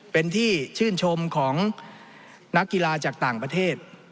เป็นที่ชื่นชมของนักกีฬาจากต่างประเทศ